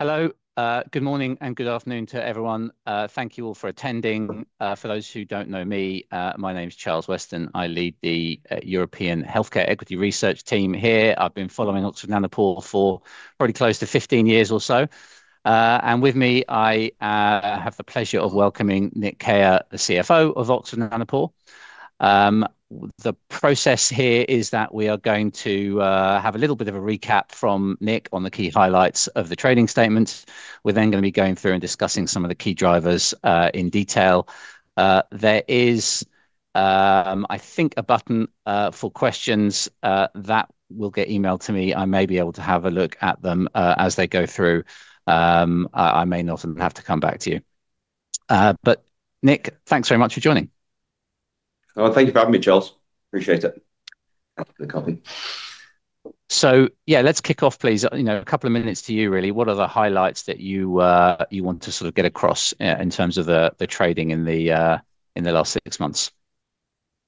Hello, good morning and good afternoon to everyone. Thank you all for attending. For those who don't know me, my name is Charles Weston. I lead the European Healthcare Equity Research Team here. I've been following Oxford Nanopore for pretty close to 15 years or so. With me, I have the pleasure of welcoming Nick Keher, the CFO of Oxford Nanopore. The process here is that we are going to have a little bit of a recap from Nick on the key highlights of the trading statements. We're then going to be going through and discussing some of the key drivers in detail. There is, I think, a button for questions that will get emailed to me. I may be able to have a look at them as they go through. I may not have to come back to you. Nick, thanks very much for joining. Thank you for having me, Charles. Appreciate it. So, yeah, let's kick off, please. You know, a couple of minutes to you, really. What are the highlights that you want to sort of get across in terms of the trading in the last six months?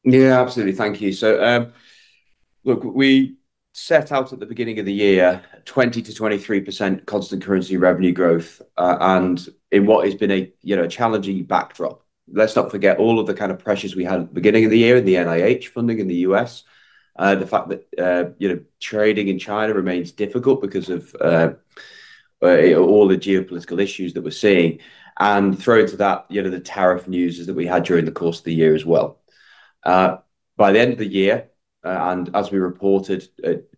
Yeah, absolutely. Thank you. So, look, we set out at the beginning of the year 20%-23% constant currency revenue growth and in what has been a challenging backdrop. Let's not forget all of the kind of pressures we had at the beginning of the year in the NIH funding in the U.S., the fact that trading in China remains difficult because of all the geopolitical issues that we're seeing, and throw into that the tariff news that we had during the course of the year as well. By the end of the year, and as we reported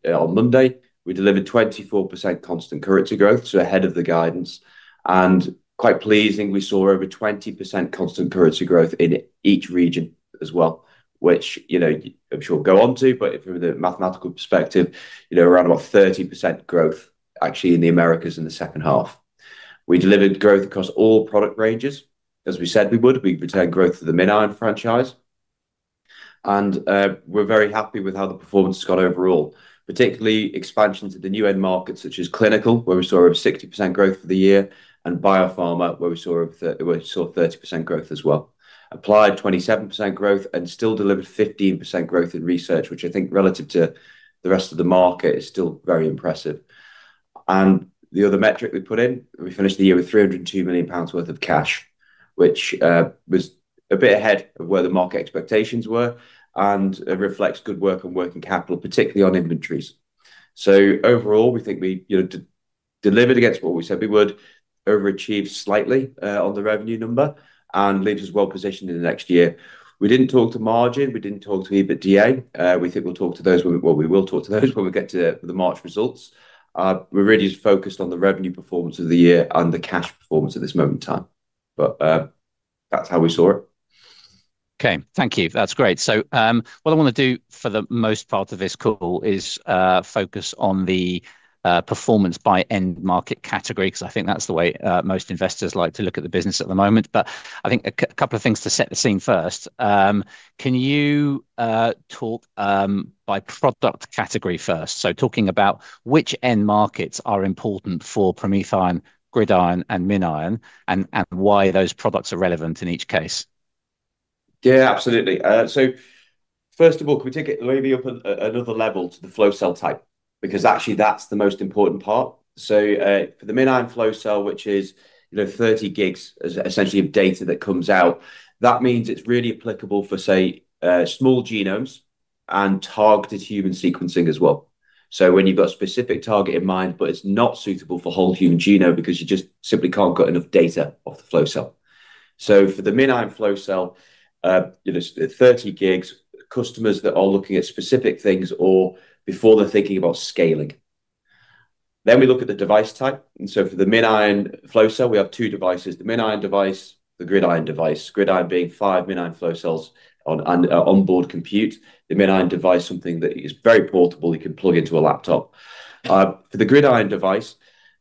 on Monday, we delivered 24% constant currency growth, so ahead of the guidance. And, quite pleasing, we saw over 20% constant currency growth in each region as well, which I'm sure will go on to, but from the mathematical perspective, around about 30% growth actually in the Americas in the second half. We delivered growth across all product ranges. As we said, we would, we'd retain growth of the MinION franchise. And we're very happy with how the performance has gone overall, particularly expansion to the new end markets such as clinical, where we saw over 60% growth for the year, and biopharma, where we saw 30% growth as well. Applied, 27% growth, and still delivered 15% growth in research, which I think relative to the rest of the market is still very impressive. The other metric we put in, we finished the year with 302 million pounds worth of cash, which was a bit ahead of where the market expectations were and reflects good work and working capital, particularly on inventories. So overall, we think we delivered against what we said we would, overachieved slightly on the revenue number, and leaves us well positioned in the next year. We didn't talk to margin, we didn't talk to EBITDA. We think we'll talk to those, well, we will talk to those when we get to the March results. We're really focused on the revenue performance of the year and the cash performance at this moment in time. But that's how we saw it. Okay, thank you. That's great. So what I want to do for the most part of this call is focus on the performance by end market category, because I think that's the way most investors like to look at the business at the moment. But I think a couple of things to set the scene first. Can you talk by product category first? So talking about which end markets are important for PromethION, GridION, and MinION, and why those products are relevant in each case? Yeah, absolutely. So first of all, can we take it maybe up another level to the flow cell type, because actually that's the most important part. So for the MinION flow cell, which is 30 gigs essentially of data that comes out, that means it's really applicable for, say, small genomes and targeted human sequencing as well. So when you've got a specific target in mind, but it's not suitable for whole human genome because you just simply can't get enough data off the flow cell. So for the MinION flow cell, 30 gigs, customers that are looking at specific things or before they're thinking about scaling. Then we look at the device type. And so for the MinION flow cell, we have two devices, the MinION device, the GridION device, GridION being five MinION flow cells on onboard compute. The MinION device, something that is very portable, you can plug into a laptop. For the GridION device,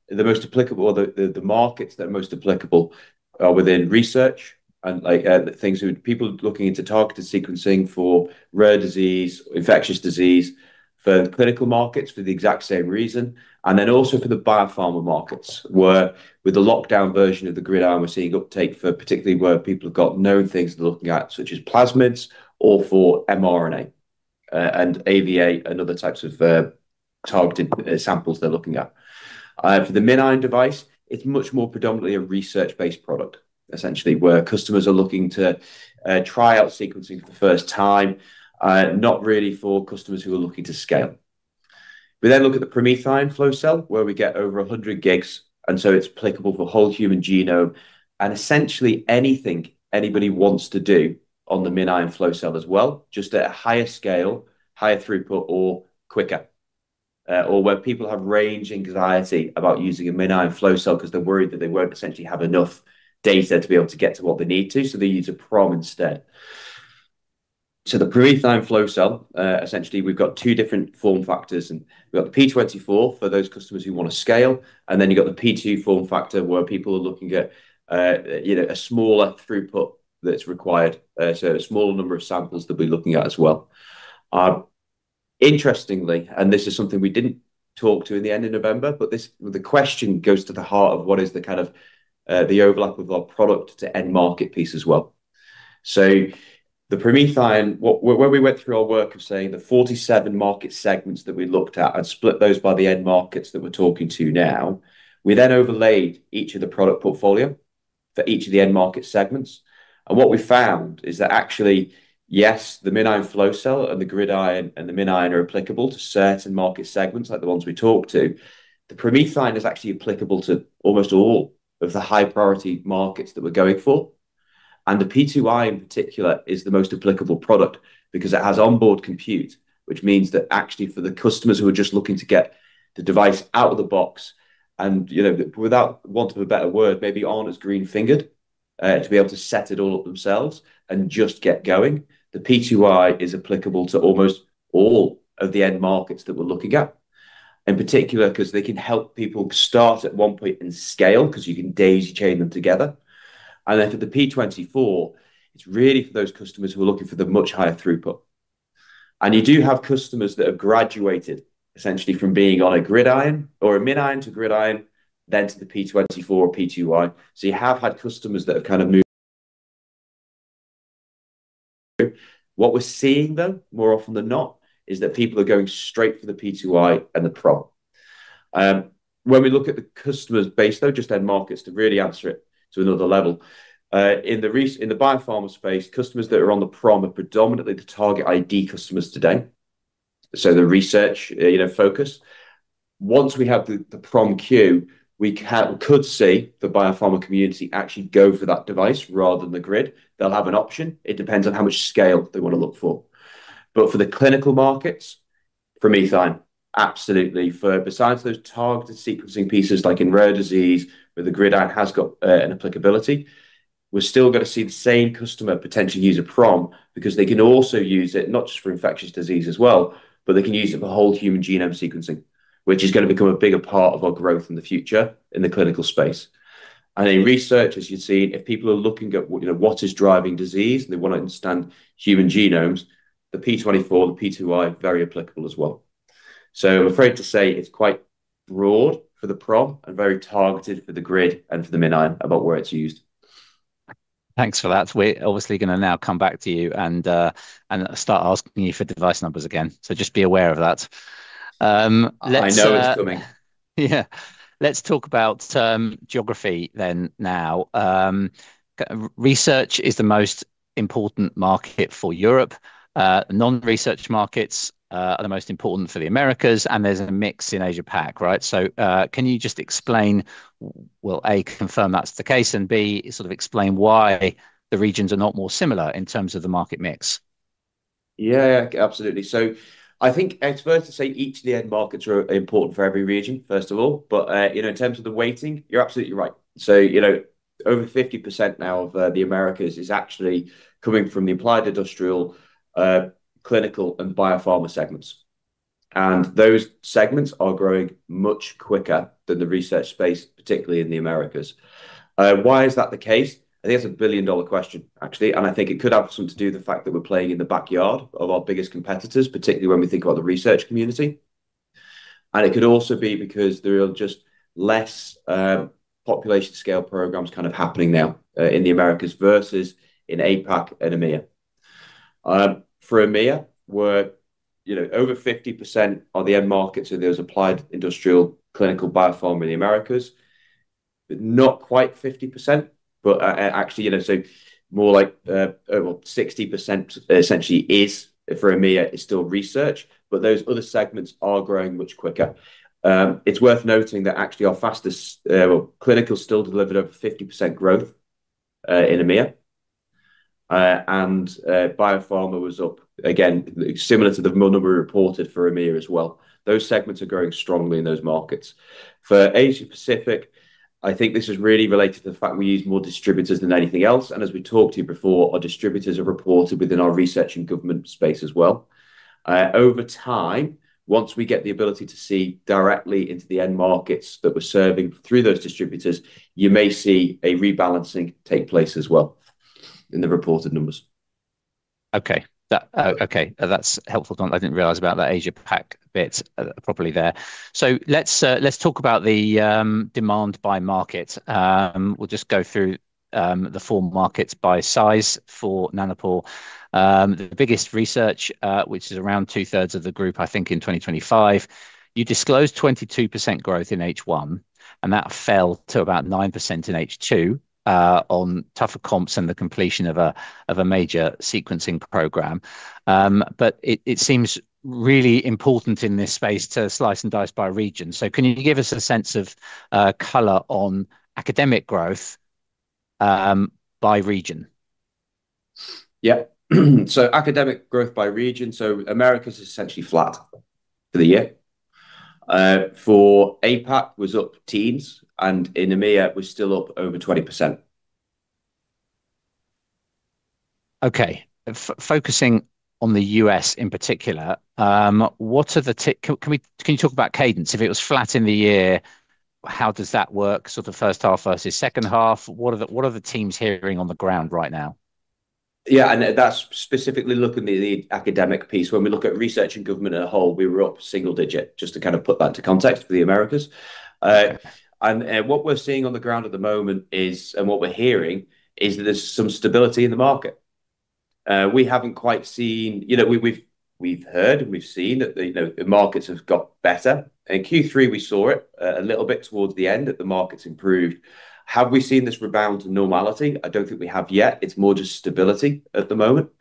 the most applicable, the markets that are most applicable are within research and things people are looking into targeted sequencing for rare disease, infectious disease, for clinical markets for the exact same reason. And then also for the biopharma markets, where with the lockdown version of the GridION, we're seeing uptake for particularly where people have got known things they're looking at, such as plasmids or for mRNA and AAV and other types of targeted samples they're looking at. For the MinION device, it's much more predominantly a research-based product, essentially, where customers are looking to try out sequencing for the first time, not really for customers who are looking to scale. We then look at the PromethION flow cell, where we get over 100 gigs, and so it's applicable for whole human genome and essentially anything anybody wants to do on the MinION flow cell as well, just at a higher scale, higher throughput, or quicker, or where people have range anxiety about using a MinION flow cell because they're worried that they won't essentially have enough data to be able to get to what they need to, so they use a PROM instead. So the PromethION flow cell, essentially, we've got two different form factors. We've got the P24 for those customers who want to scale, and then you've got the P2 form factor where people are looking at a smaller throughput that's required, so a smaller number of samples that we're looking at as well. Interestingly, and this is something we didn't talk to in the end of November, but the question goes to the heart of what is the kind of the overlap of our product to end market piece as well, so the PromethION, when we went through our work of saying the 47 market segments that we looked at and split those by the end markets that we're talking to now, we then overlaid each of the product portfolio for each of the end market segments, and what we found is that actually, yes, the MinION flow cell and the GridION and the MinION are applicable to certain market segments like the ones we talked to. The PromethION is actually applicable to almost all of the high priority markets that we're going for. And the P2i in particular is the most applicable product because it has onboard compute, which means that actually for the customers who are just looking to get the device out of the box and without want of a better word, maybe aren't as green-fingered to be able to set it all up themselves and just get going. The P2i is applicable to almost all of the end markets that we're looking at, in particular because they can help people start at one point and scale because you can daisy chain them together. And then for the P24, it's really for those customers who are looking for the much higher throughput. And you do have customers that have graduated essentially from being on a GridION or a MinION to GridION, then to the P24 or P2i. So you have had customers that have kind of moved. What we're seeing though, more often than not, is that people are going straight for the P2i and the PROM. When we look at the customer base though, just end markets to really answer it to another level. In the biopharma space, customers that are on the PROM are predominantly the target ID customers today. So the research focus. Once we have the PromQ, we could see the biopharma community actually go for that device rather than the grid. They'll have an option. It depends on how much scale they want to look for. But for the clinical markets, PromethION, absolutely. For besides those targeted sequencing pieces like in rare disease, where the GridION has got an applicability, we're still going to see the same customer potentially use a PROM because they can also use it not just for infectious disease as well, but they can use it for whole human genome sequencing, which is going to become a bigger part of our growth in the future in the clinical space. And in research, as you've seen, if people are looking at what is driving disease and they want to understand human genomes, the P24, the P2I, very applicable as well. So I'm afraid to say it's quite broad for the PROM and very targeted for the grid and for the MinION about where it's used. Thanks for that. We're obviously going to now come back to you and start asking you for device numbers again, so just be aware of that. I know it's coming. Yeah. Let's talk about geography then now. Research is the most important market for Europe. Non-research markets are the most important for the Americas, and there's a mix in Asia-Pac, right? So can you just explain, well, A, confirm that's the case, and B, sort of explain why the regions are not more similar in terms of the market mix? Yeah, absolutely. So I think experts would say each of the end markets are important for every region, first of all. But in terms of the weighting, you're absolutely right. So over 50% now of the Americas is actually coming from the applied industrial, clinical, and biopharma segments. And those segments are growing much quicker than the research space, particularly in the Americas. Why is that the case? I think that's a billion-dollar question, actually. And I think it could have some to do with the fact that we're playing in the backyard of our biggest competitors, particularly when we think about the research community. And it could also be because there are just less population scale programs kind of happening now in the Americas versus in APAC and EMEA. For EMEA, over 50% of the end markets are those applied industrial, clinical, biopharma in the Americas. Not quite 50%, but actually, so more like 60% essentially is for EMEA. Is still research, but those other segments are growing much quicker. It's worth noting that actually our fastest, clinical still delivered over 50% growth in EMEA, and biopharma was up, again, similar to the number we reported for EMEA as well. Those segments are growing strongly in those markets. For Asia-Pacific, I think this is really related to the fact we use more distributors than anything else, and as we talked to you before, our distributors are reported within our research and government space as well. Over time, once we get the ability to see directly into the end markets that we're serving through those distributors, you may see a rebalancing take place as well in the reported numbers. Okay. Okay. That's helpful. I didn't realize about that Asia-Pac bit properly there. So let's talk about the demand by market. We'll just go through the four markets by size for Nanopore. The biggest research, which is around two-thirds of the group, I think in 2025, you disclosed 22% growth in H1, and that fell to about 9% in H2 on tougher comps and the completion of a major sequencing program. But it seems really important in this space to slice and dice by region. So can you give us a sense of color on academic growth by region? Yeah. So academic growth by region, so Americas essentially flat for the year. For APAC, was up teens, and in EMEA, we're still up over 20%. Okay. Focusing on the U.S. in particular, what are the, can you talk about cadence? If it was flat in the year, how does that work, sort of first half versus second half? What are the teams hearing on the ground right now? Yeah, and that's specifically looking at the academic piece. When we look at research and government as a whole, we were up single digit, just to kind of put that into context for the Americas. And what we're seeing on the ground at the moment is, and what we're hearing is that there's some stability in the market. We haven't quite seen, we've heard and we've seen that the markets have got better. In Q3, we saw it a little bit towards the end that the markets improved. Have we seen this rebound to normality? I don't think we have yet. It's more just stability at the moment.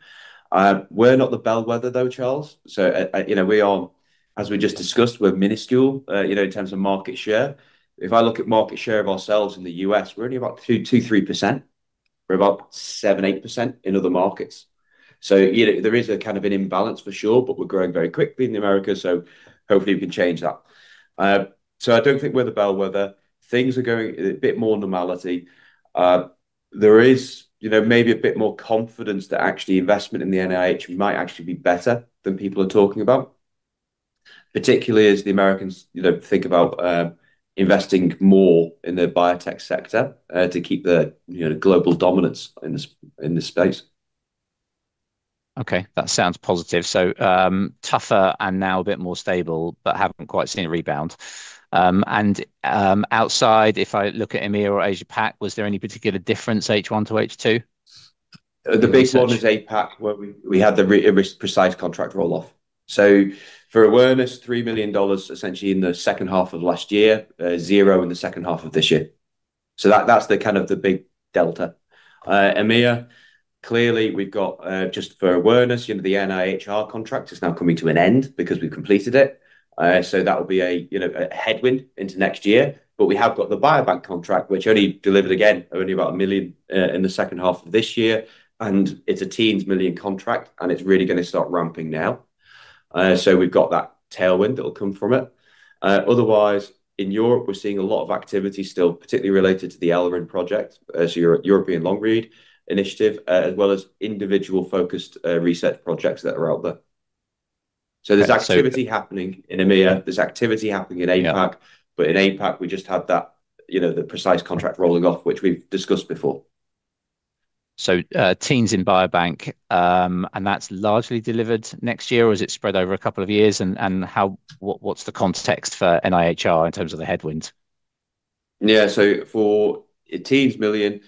We're not the bellwether though, Charles. So we are, as we just discussed, we're minuscule in terms of market share. If I look at market share of ourselves in the U.S., we're only about 2-3%. We're about 7-8% in other markets. So there is a kind of an imbalance for sure, but we're growing very quickly in the Americas, so hopefully we can change that. So I don't think we're the bellwether. Things are going a bit more normality. There is maybe a bit more confidence that actually investment in the NIH might actually be better than people are talking about, particularly as the Americans think about investing more in the biotech sector to keep the global dominance in this space. Okay. That sounds positive. So tougher and now a bit more stable, but haven't quite seen a rebound. And outside, if I look at EMEA or Asia-Pac, was there any particular difference H1 to H2? The biggest one is APAC, where we had the PRECISE contract roll-off. So for awareness, $3 million essentially in the second half of last year, zero in the second half of this year. So that's the kind of the big delta. EMEA, clearly we've got just for awareness, the NIHR contract is now coming to an end because we've completed it. So that will be a headwind into next year. But we have got the Biobank contract, which only delivered about a million in the second half of this year. And it's a teens million contract, and it's really going to start ramping now. So we've got that tailwind that will come from it. Otherwise, in Europe, we're seeing a lot of activity still, particularly related to the ELRIN project, so European Long Read Initiative, as well as individual-focused research projects that are out there. So there's activity happening in EMEA. There's activity happening in APAC, but in APAC, we just had the PRECISE contract rolling off, which we've discussed before. So, sequencing in Biobank, and that's largely delivered next year, or is it spread over a couple of years? And what's the context for NIHR in terms of the headwind? Yeah. So for 14 million,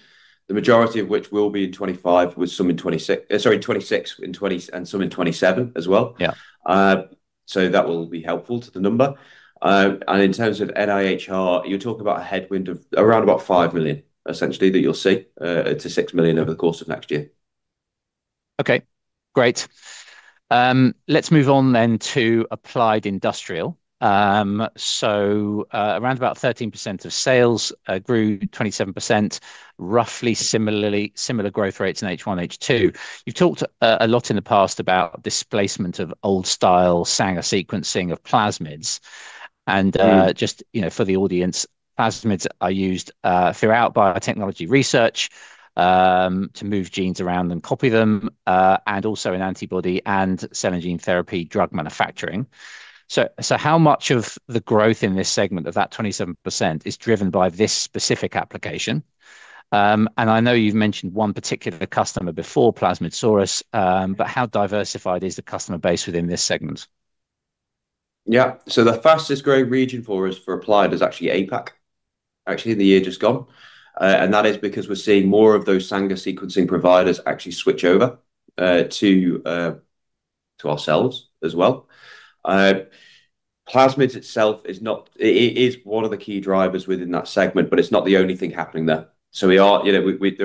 the majority of which will be in 2025, with some in 2026, sorry, 2026 and some in 2027 as well. So that will be helpful to the number. And in terms of NIHR, you're talking about a headwind of around about 5 million, essentially, that you'll see to 6 million over the course of next year. Okay. Great. Let's move on then to applied industrial, so around about 13% of sales grew 27%, roughly similar growth rates in H1, H2. You've talked a lot in the past about displacement of old-style Sanger sequencing of plasmids, and just for the audience, plasmids are used throughout biotechnology research to move genes around and copy them, and also in antibody and cell and gene therapy drug manufacturing, so how much of the growth in this segment of that 27% is driven by this specific application, and I know you've mentioned one particular customer before, Plasmidsaurus, but how diversified is the customer base within this segment? Yeah. The fastest growing region for us for applied is actually APAC, actually in the year just gone. That is because we're seeing more of those Sanger sequencing providers actually switch over to ourselves as well. Plasmidsaurus itself is not; it is one of the key drivers within that segment, but it's not the only thing happening there. There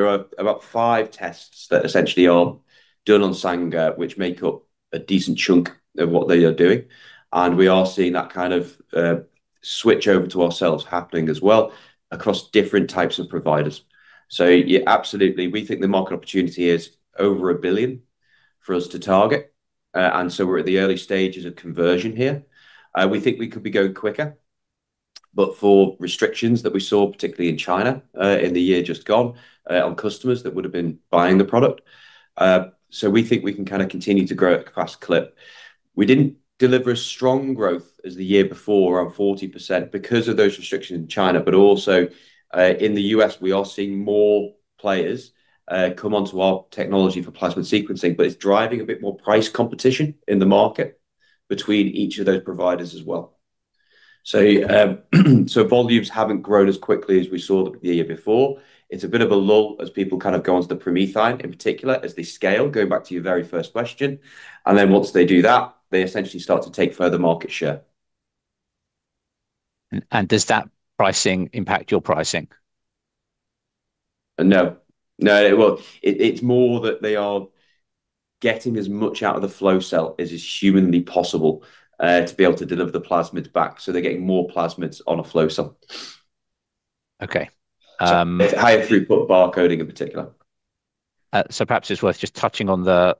are about five tests that essentially are done on Sanger, which make up a decent chunk of what they are doing. We are seeing that kind of switch over to ourselves happening as well across different types of providers. Absolutely, we think the market opportunity is over a billion for us to target. We're at the early stages of conversion here. We think we could be going quicker, but for restrictions that we saw, particularly in China in the year just gone on customers that would have been buying the product, so we think we can kind of continue to grow at a fast clip. We didn't deliver as strong growth as the year before, around 40% because of those restrictions in China, but also in the U.S., we are seeing more players come onto our technology for plasmid sequencing, but it's driving a bit more price competition in the market between each of those providers as well, so volumes haven't grown as quickly as we saw the year before. It's a bit of a lull as people kind of go onto the PromethION in particular as they scale, going back to your very first question, and then once they do that, they essentially start to take further market share. Does that pricing impact your pricing? No. No. It's more that they are getting as much out of the flow cell as is humanly possible to be able to deliver the plasmids back. So they're getting more plasmids on a flow cell. Okay. Higher throughput barcoding in particular. So perhaps it's worth just touching on the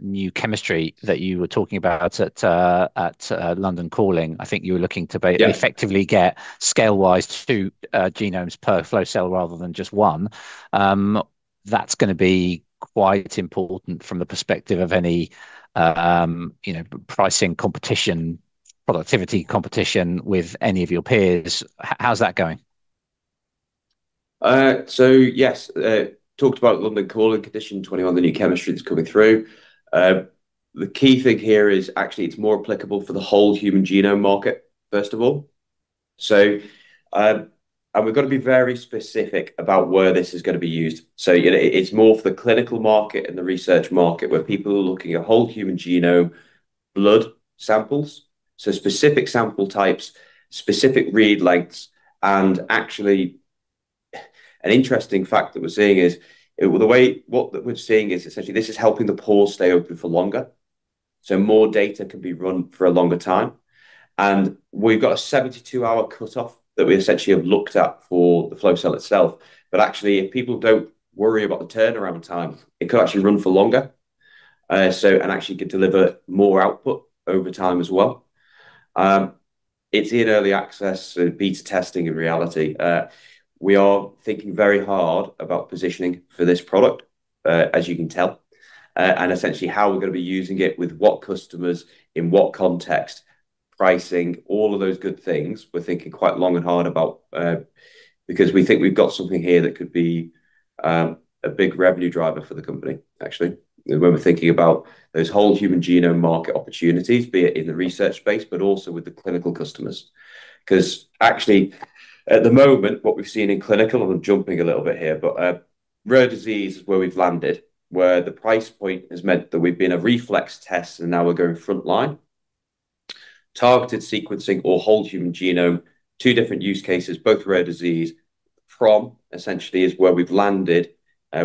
new chemistry that you were talking about at London Calling. I think you were looking to effectively get scale-wise two genomes per flow cell rather than just one. That's going to be quite important from the perspective of any pricing competition, productivity competition with any of your peers. How's that going? So yes, talked about London Calling 2021, the new chemistry that's coming through. The key thing here is actually it's more applicable for the whole human genome market, first of all. And we've got to be very specific about where this is going to be used. So it's more for the clinical market and the research market where people are looking at whole human genome blood samples. So specific sample types, specific read lengths. And actually, an interesting fact that we're seeing is the way what we're seeing is essentially this is helping the pore stay open for longer. So more data can be run for a longer time. And we've got a 72-hour cutoff that we essentially have looked at for the flow cell itself. But actually, if people don't worry about the turnaround time, it could actually run for longer and actually could deliver more output over time as well. It's in early access, beta testing in reality. We are thinking very hard about positioning for this product, as you can tell, and essentially how we're going to be using it with what customers, in what context, pricing, all of those good things. We're thinking quite long and hard about because we think we've got something here that could be a big revenue driver for the company, actually, when we're thinking about those whole human genome market opportunities, be it in the research space, but also with the clinical customers. Because actually, at the moment, what we've seen in clinical, I'm jumping a little bit here, but rare disease is where we've landed, where the price point has meant that we've been a reflex test and now we're going frontline. Targeted sequencing or whole human genome, two different use cases, both rare disease, from essentially is where we've landed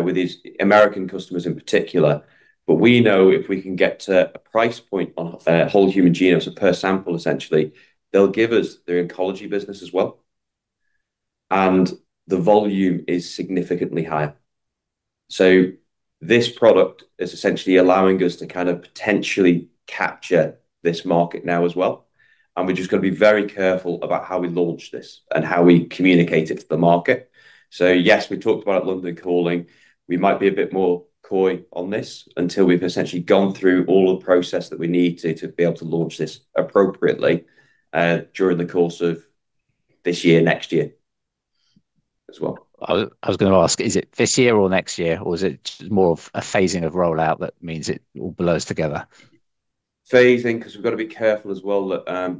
with these American customers in particular. But we know if we can get to a price point on whole human genomes per sample, essentially, they'll give us their oncology business as well. And the volume is significantly higher. So this product is essentially allowing us to kind of potentially capture this market now as well. And we're just going to be very careful about how we launch this and how we communicate it to the market. So yes, we talked about London Calling. We might be a bit more coy on this until we've essentially gone through all the process that we need to be able to launch this appropriately during the course of this year, next year as well. I was going to ask, is it this year or next year, or is it more of a phasing of rollout that means it all blurs together? Phasing because we've got to be careful as well that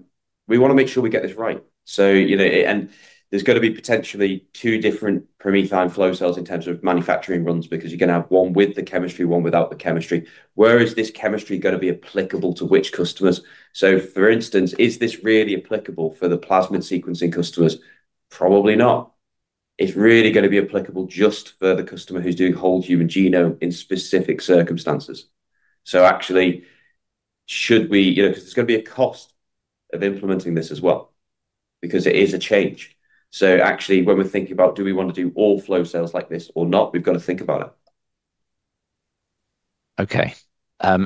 we want to make sure we get this right. And there's going to be potentially two different PromethION flow cells in terms of manufacturing runs because you're going to have one with the chemistry, one without the chemistry. Where is this chemistry going to be applicable to which customers? So for instance, is this really applicable for the plasmid sequencing customers? Probably not. It's really going to be applicable just for the customer who's doing whole human genome in specific circumstances. So actually, should we, because there's going to be a cost of implementing this as well because it is a change. So actually, when we're thinking about do we want to do all flow cells like this or not, we've got to think about it. Okay.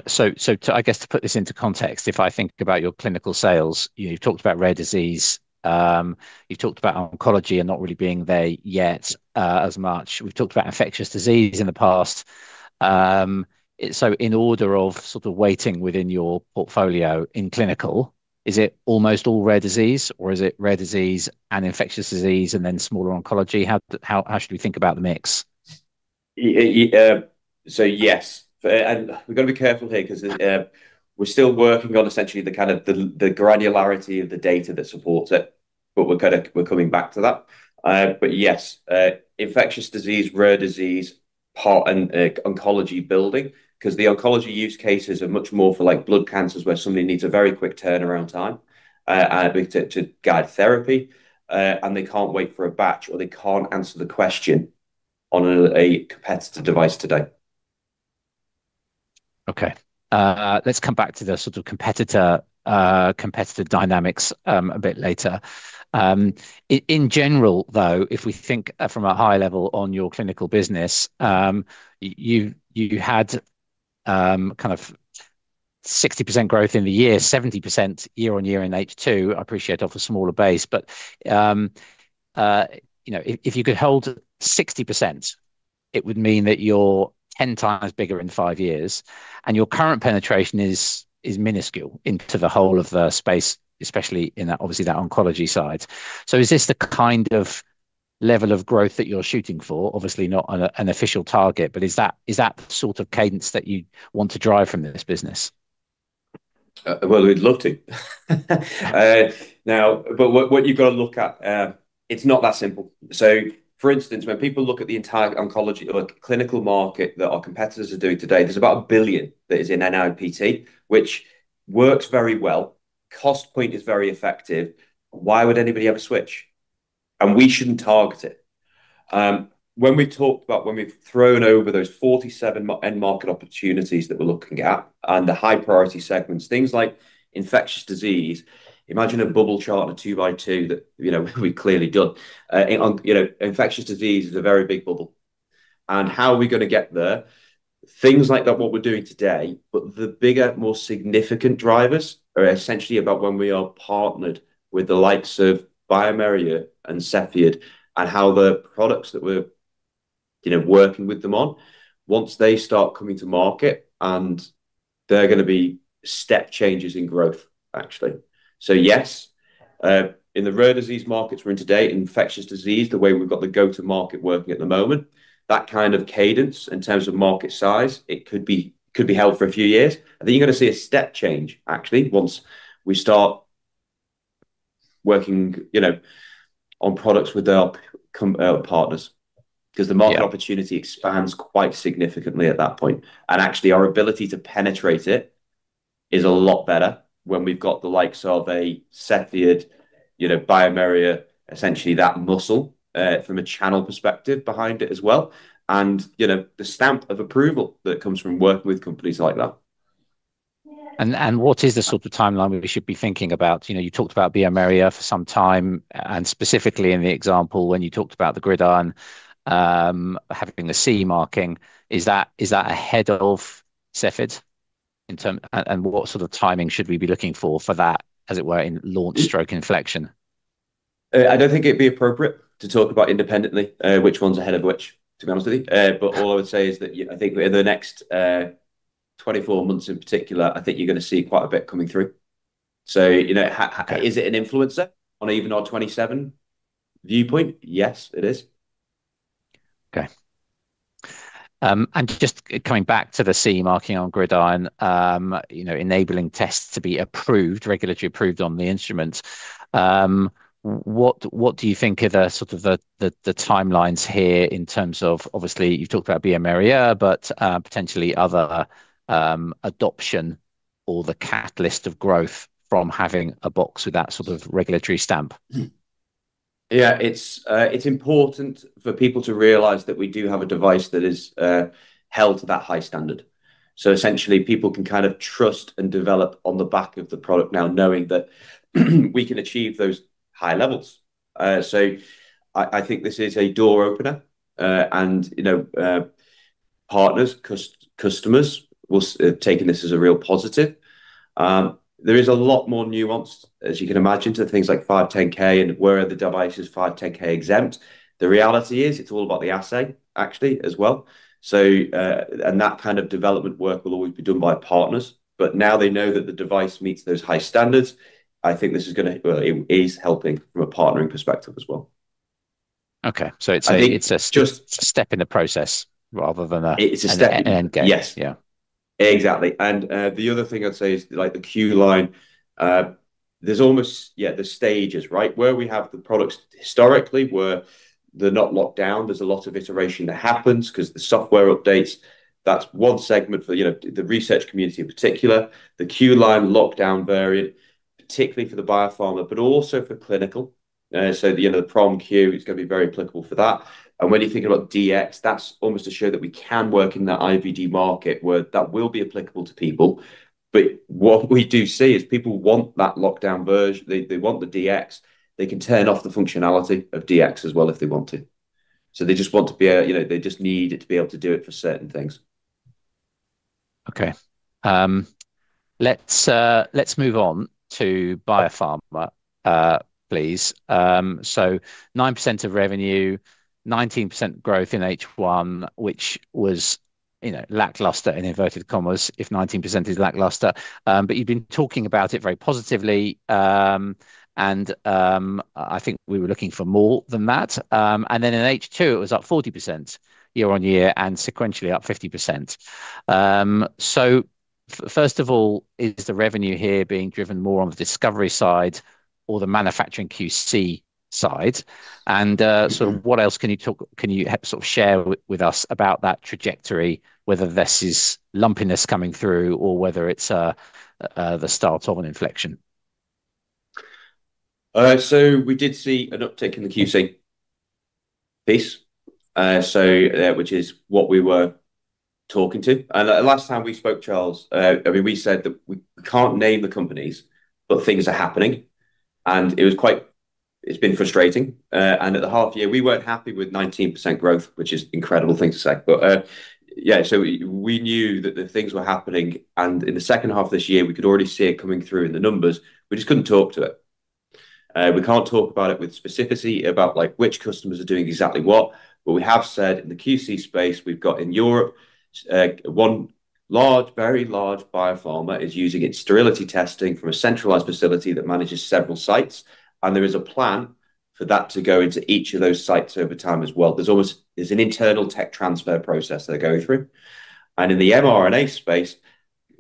So I guess to put this into context, if I think about your clinical sales, you've talked about rare disease. You've talked about oncology and not really being there yet as much. We've talked about infectious disease in the past. So in order of sort of weighting within your portfolio in clinical, is it almost all rare disease, or is it rare disease and infectious disease and then smaller oncology? How should we think about the mix? So yes. We've got to be careful here because we're still working on essentially the kind of the granularity of the data that supports it, but we're coming back to that. But yes, infectious disease, rare disease, part and oncology building because the oncology use cases are much more for like blood cancers where somebody needs a very quick turnaround time to guide therapy. And they can't wait for a batch or they can't answer the question on a competitor device today. Okay. Let's come back to the sort of competitor dynamics a bit later. In general, though, if we think from a high level on your clinical business, you had kind of 60% growth in the year, 70% year-on-year in H2. I appreciate it off a smaller base, but if you could hold 60%, it would mean that you're 10x bigger in five years. And your current penetration is minuscule into the whole of the space, especially in that, obviously, that oncology side. So is this the kind of level of growth that you're shooting for? Obviously, not an official target, but is that the sort of cadence that you want to drive from this business? We'd love to. Now, but what you've got to look at, it's not that simple, so for instance, when people look at the entire oncology or clinical market that our competitors are doing today, there's about $1 billion that is in NIPT, which works very well. Cost point is very effective. Why would anybody have a switch? And we shouldn't target it. When we talked about when we've gone over those 47 end market opportunities that we're looking at and the high-priority segments, things like infectious disease, imagine a bubble chart and a two-by-two that we've clearly done. Infectious disease is a very big bubble. And how are we going to get there? Things like what we're doing today, but the bigger, more significant drivers are essentially about when we are partnered with the likes of bioMérieux and Cepheid and how the products that we're working with them on, once they start coming to market, and they're going to be step changes in growth, actually. So yes, in the rare disease markets we're in today, infectious disease, the way we've got the go-to-market working at the moment, that kind of cadence in terms of market size, it could be held for a few years. I think you're going to see a step change, actually, once we start working on products with our partners because the market opportunity expands quite significantly at that point. Actually, our ability to penetrate it is a lot better when we've got the likes of a Cepheid, bioMérieux, essentially that muscle from a channel perspective behind it as well. And the stamp of approval that comes from working with companies like that. What is the sort of timeline we should be thinking about? You talked about bioMérieux for some time. Specifically in the example when you talked about the GridION having the CE marking, is that ahead of Cepheid? What sort of timing should we be looking for for that, as it were, in launch or inflection? I don't think it'd be appropriate to talk about independently which one's ahead of which, to be honest with you. But all I would say is that I think in the next 24 months in particular, I think you're going to see quite a bit coming through. So is it an influencer on even our 2027 viewpoint? Yes, it is. Okay. And just coming back to the CE marking on GridION, enabling tests to be approved, regulatory approved on the instruments. What do you think are the sort of the timelines here in terms of, obviously, you've talked about bioMérieux, but potentially other adoption or the catalyst of growth from having a box with that sort of regulatory stamp? Yeah, it's important for people to realize that we do have a device that is held to that high standard. So essentially, people can kind of trust and develop on the back of the product now, knowing that we can achieve those high levels. So I think this is a door opener, and partners, customers will take this as a real positive. There is a lot more nuance, as you can imagine, to things like 510(k) and where are the devices 510(k) exempt. The reality is it's all about the assay, actually, as well, and that kind of development work will always be done by partners. But now they know that the device meets those high standards. I think this is going to, well, it is helping from a partnering perspective as well. Okay. So it's a step in the process rather than a. It's a step in the end game. Yes. Yeah. Exactly. And the other thing I'd say is like the Q-Line, there's almost, yeah, the stages, right? Where we have the products historically where they're not locked down, there's a lot of iteration that happens because the software updates. That's one segment for the research community in particular, the Q-Line lockdown variant, particularly for the biopharma, but also for clinical. So the PromQ is going to be very applicable for that. And when you're thinking about DX, that's almost a sure that we can work in the IVD market where that will be applicable to people. But what we do see is people want that lockdown version. They want the DX. They can turn off the functionality of DX as well if they want to. So they just want to, they just need it to be able to do it for certain things. Okay. Let's move on to biopharma, please. So 9% of revenue, 19% growth in H1, which was lackluster in inverted commas if 19% is lackluster. But you've been talking about it very positively. And I think we were looking for more than that. And then in H2, it was up 40% year-on-year and sequentially up 50%. So first of all, is the revenue here being driven more on the discovery side or the manufacturing QC side? And so what else can you sort of share with us about that trajectory, whether this is lumpiness coming through or whether it's the start of an inflection? We did see an uptick in the QC piece, which is what we were talking to. Last time we spoke, Charles, I mean, we said that we can't name the companies, but things are happening. It was quite frustrating. It's been frustrating. At the half year, we weren't happy with 19% growth, which is incredible things to say. We knew that the things were happening. In the second half of this year, we could already see it coming through in the numbers. We just couldn't talk to it. We can't talk about it with specificity about which customers are doing exactly what. We have said in the QC space, we've got in Europe, one large, very large biopharma is using its sterility testing from a centralized facility that manages several sites. And there is a plan for that to go into each of those sites over time as well. There's an internal tech transfer process they're going through. And in the mRNA space,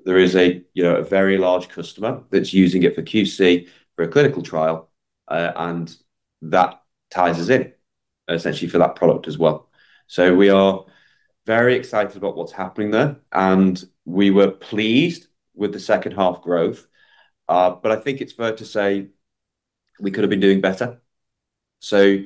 there is a very large customer that's using it for QC for a clinical trial. And that ties us in essentially for that product as well. So we are very excited about what's happening there. And we were pleased with the second half growth. But I think it's fair to say we could have been doing better. So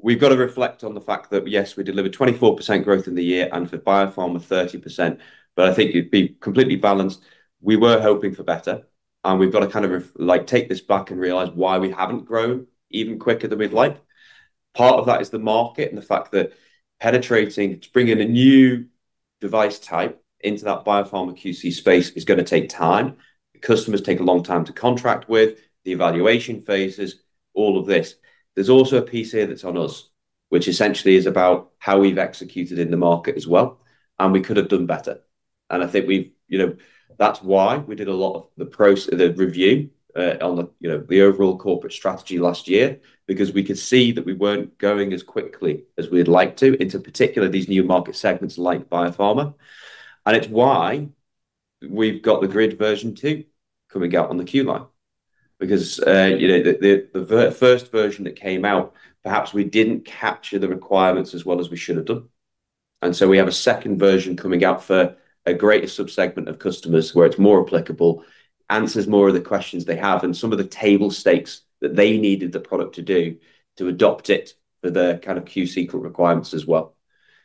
we've got to reflect on the fact that yes, we delivered 24% growth in the year and for biopharma 30%. But I think it'd be completely balanced. We were hoping for better. And we've got to kind of take this back and realize why we haven't grown even quicker than we'd like. Part of that is the market and the fact that penetrating, bringing a new device type into that biopharma QC space is going to take time. Customers take a long time to contract with the evaluation phases, all of this. There's also a piece here that's on us, which essentially is about how we've executed in the market as well. And we could have done better. And I think that's why we did a lot of the review on the overall corporate strategy last year because we could see that we weren't going as quickly as we'd like to into particularly these new market segments like biopharma. And it's why we've got the GridION version two coming out on the Q-Line. Because the first version that came out, perhaps we didn't capture the requirements as well as we should have done. And so we have a second version coming out for a greater subsegment of customers where it's more applicable, answers more of the questions they have and some of the table stakes that they needed the product to do to adopt it for the kind of QC requirements as well.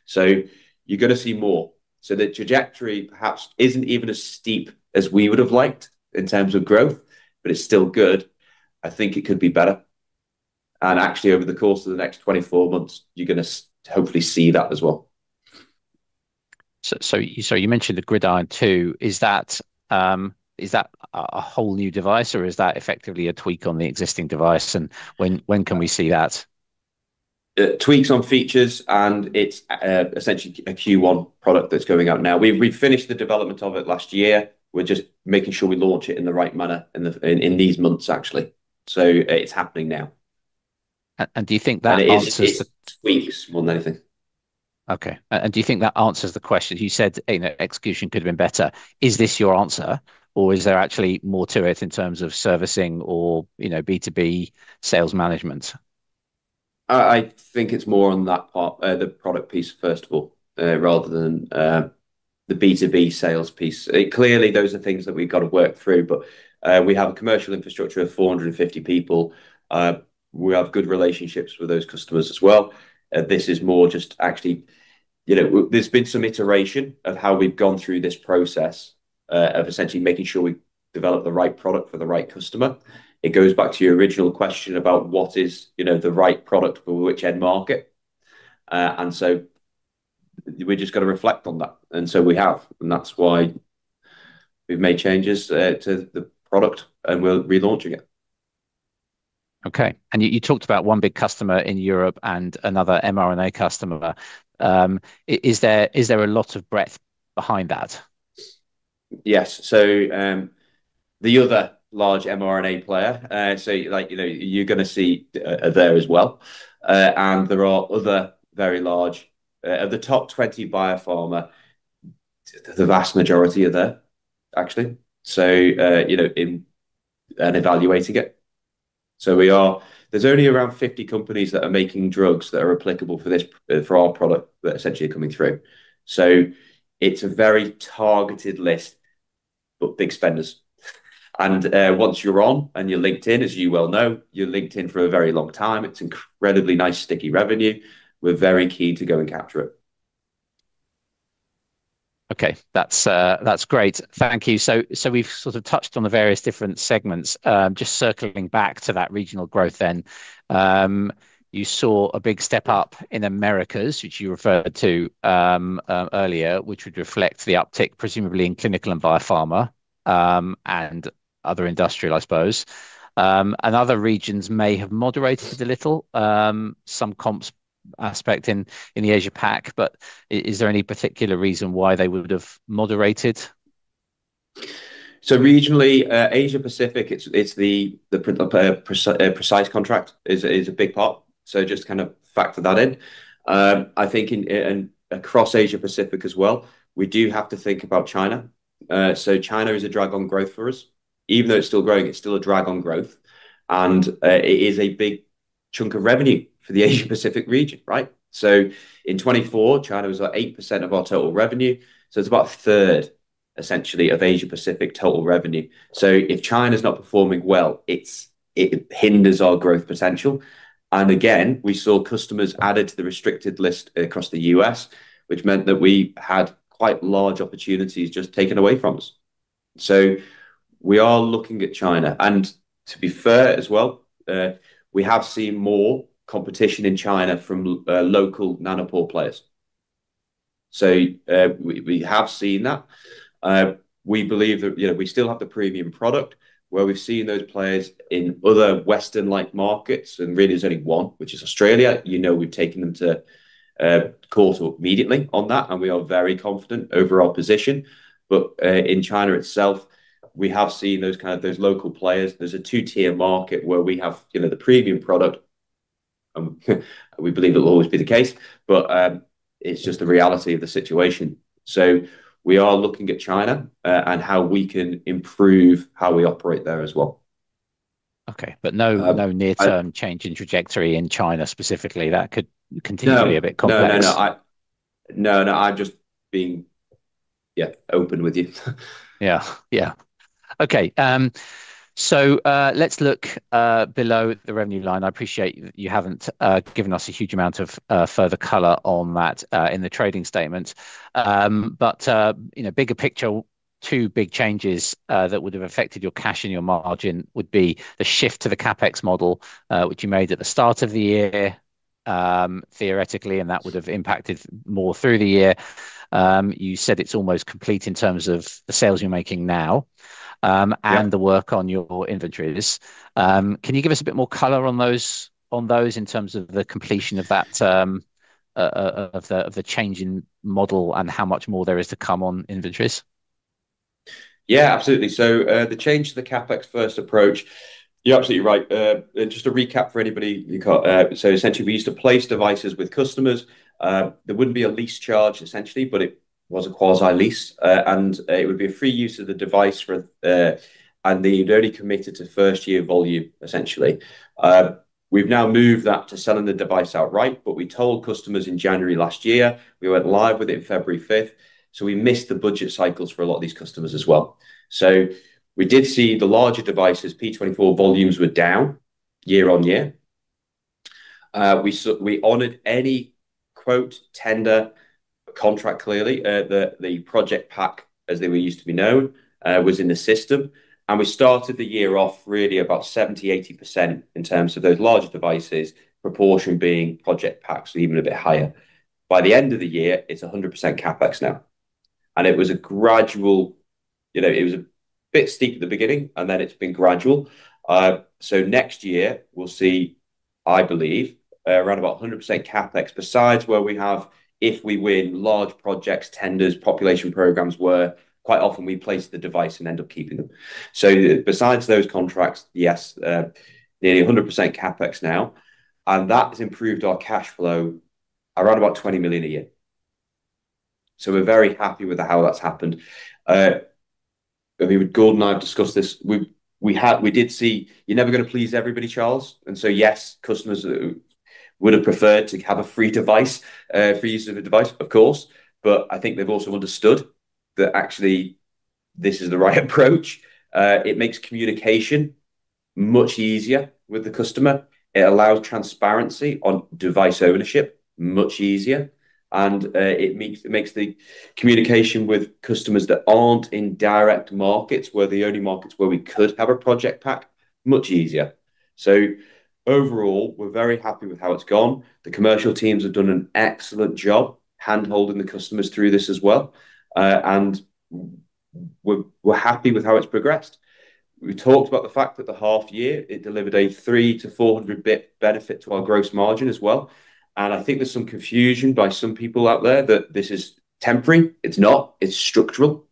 So you're going to see more. So the trajectory perhaps isn't even as steep as we would have liked in terms of growth, but it's still good. I think it could be better. And actually, over the course of the next 24 months, you're going to hopefully see that as well. So you mentioned the GridION too. Is that a whole new device or is that effectively a tweak on the existing device? And when can we see that? Tweaks on features. And it's essentially a Q1 product that's going out now. We've finished the development of it last year. We're just making sure we launch it in the right manner in these months, actually. So it's happening now. Do you think that answers? It is tweaks more than anything. Okay. And do you think that answers the question? You said execution could have been better. Is this your answer? Or is there actually more to it in terms of servicing or B2B sales management? I think it's more on that part, the product piece first of all, rather than the B2B sales piece. Clearly, those are things that we've got to work through. But we have a commercial infrastructure of 450 people. We have good relationships with those customers as well. This is more just actually, there's been some iteration of how we've gone through this process of essentially making sure we develop the right product for the right customer. It goes back to your original question about what is the right product for which end market. And so we're just going to reflect on that. And so we have. And that's why we've made changes to the product and we're relaunching it. Okay, and you talked about one big customer in Europe and another mRNA customer. Is there a lot of breadth behind that? Yes. So the other large mRNA player, so you're going to see there as well. And there are other very large, of the top 20 biopharma, the vast majority are there, actually, in evaluating it. So there's only around 50 companies that are making drugs that are applicable for our product that essentially are coming through. So it's a very targeted list, but big spenders. And once you're on and you're linked in, as you well know, you're linked in for a very long time. It's incredibly nice sticky revenue. We're very keen to go and capture it. Okay. That's great. Thank you. So we've sort of touched on the various different segments. Just circling back to that regional growth then, you saw a big step up in Americas, which you referred to earlier, which would reflect the uptick presumably in clinical and biopharma and other industrial, I suppose. And other regions may have moderated a little, some comps aspect in the Asia PAC, but is there any particular reason why they would have moderated? So, regionally, Asia Pacific, it's the precise contract is a big part. Just kind of factor that in. I think across Asia Pacific as well, we do have to think about China. So China is a drag on growth for us. Even though it's still growing, it's still a drag on growth. And it is a big chunk of revenue for the Asia Pacific region, right? So in 2024, China was at 8% of our total revenue. So it's about a third, essentially, of Asia Pacific total revenue. So if China is not performing well, it hinders our growth potential. And again, we saw customers added to the restricted list across the U.S., which meant that we had quite large opportunities just taken away from us. So we are looking at China. And to be fair as well, we have seen more competition in China from local nanopore players. So we have seen that. We believe that we still have the premium product where we've seen those players in other Western-like markets. And really, there's only one, which is Australia. You know we've taken them to court immediately on that. And we are very confident over our position. But in China itself, we have seen those kind of local players. There's a two-tier market where we have the premium product. We believe it'll always be the case, but it's just the reality of the situation. So we are looking at China and how we can improve how we operate there as well. Okay. But no near-term change in trajectory in China specifically. That could continue to be a bit complex. No, no, no. No, no. I'm just being, yeah, open with you. Yeah, yeah. Okay. So let's look below the revenue line. I appreciate you haven't given us a huge amount of further color on that in the trading statement. But bigger picture, two big changes that would have affected your cash and your margin would be the shift to the CapEx model, which you made at the start of the year, theoretically, and that would have impacted more through the year. You said it's almost complete in terms of the sales you're making now and the work on your inventories. Can you give us a bit more color on those in terms of the completion of that, of the change in model and how much more there is to come on inventories? Yeah, absolutely. So the change to the CapEx first approach, you're absolutely right. Just a recap for anybody. So essentially, we used to place devices with customers. There wouldn't be a lease charge, essentially, but it was a quasi-lease. And it would be a free use of the device and they'd only committed to first-year volume, essentially. We've now moved that to selling the device outright, but we told customers in January last year, we went live with it February 5th. So we missed the budget cycles for a lot of these customers as well. So we did see the larger devices, P24 volumes were down year-on-year. We honored any quote tender contract clearly. The project pack, as they were used to be known, was in the system. We started the year off really about 70%-80% in terms of those larger devices, proportion being project packs, even a bit higher. By the end of the year, it's 100% CapEx now. It was a gradual. It was a bit steep at the beginning, and then it's been gradual. Next year, we'll see. I believe around about 100% CapEx besides where we have, if we win large projects, tenders, population programs where quite often we place the device and end up keeping them. Besides those contracts, yes, nearly 100% CapEx now. That has improved our cash flow around about 20 million a year. We're very happy with how that's happened. I mean, with Gordon and I have discussed this. We did see you're never going to please everybody, Charles. Yes, customers would have preferred to have a free device for use of a device, of course. I think they've also understood that actually this is the right approach. It makes communication much easier with the customer. It allows transparency on device ownership much easier. It makes the communication with customers that aren't in direct markets, where the only markets where we could have a project pack, much easier. Overall, we're very happy with how it's gone. The commercial teams have done an excellent job handholding the customers through this as well. We're happy with how it's progressed. We talked about the fact that the half year, it delivered a 300-400 basis point benefit to our gross margin as well. I think there's some confusion by some people out there that this is temporary. It's not. It's structural.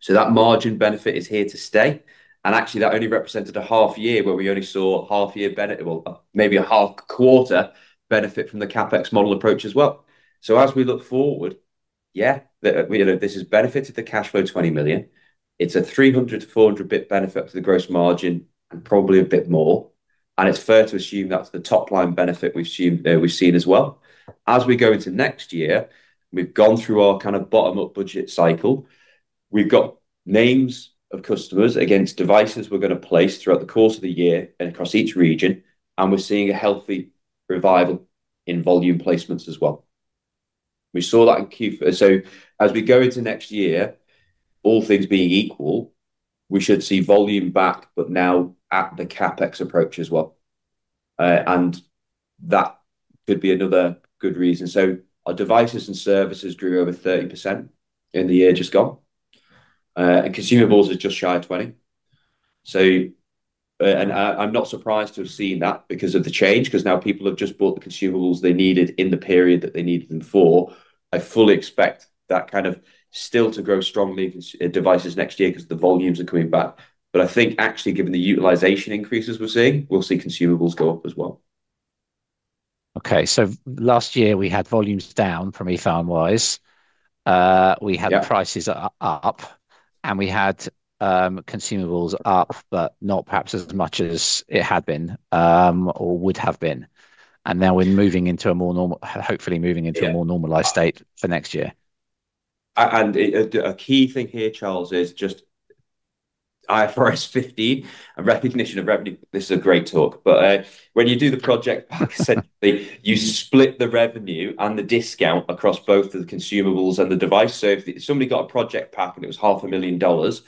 So that margin benefit is here to stay. And actually, that only represented a half year where we only saw half year benefit, well, maybe a half quarter benefit from the CapEx model approach as well. So as we look forward, yeah, this has benefited the cash flow 20 million. It's a 300-400 basis point benefit to the gross margin and probably a bit more. And it's fair to assume that's the top line benefit we've seen as well. As we go into next year, we've gone through our kind of bottom-up budget cycle. We've got names of customers against devices we're going to place throughout the course of the year and across each region. And we're seeing a healthy revival in volume placements as well. We saw that in Q4. So as we go into next year, all things being equal, we should see volume back, but now at the CapEx approach as well. And that could be another good reason. So our devices and services grew over 30% in the year just gone. And consumables are just shy of 20%. And I'm not surprised to have seen that because of the change, because now people have just bought the consumables they needed in the period that they needed them for. I fully expect that kind of still to grow strongly devices next year because the volumes are coming back. But I think actually given the utilization increases we're seeing, we'll see consumables go up as well. Okay. So last year, we had volumes down from Ethan Wise. We had prices up, and we had consumables up, but not perhaps as much as it had been or would have been. Now we're moving into a more normal, hopefully moving into a more normalized state for next year. And a key thing here, Charles, is just IFRS 15 and recognition of revenue. This is a great talk. But when you do the project pack, essentially, you split the revenue and the discount across both the consumables and the device. So if somebody got a project pack and it was $500,000,